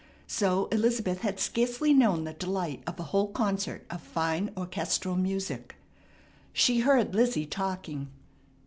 So Elizabeth had scarcely known the delight of a whole concert of fine orchestral music. She heard Lizzie talking.